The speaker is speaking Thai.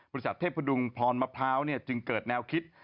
เทพดุงพรมะพร้าวจึงเกิดแนวคิด